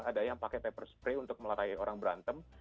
ada yang pakai pepper spray untuk melatahi orang berantem